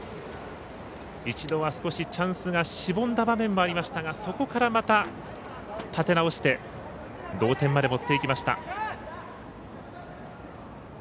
一度は少しチャンスがしぼんだ場面もありましたがそこから、また立て直して同点まで持っていきました。